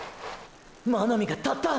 真波が立った！！